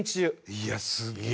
いやすげえ。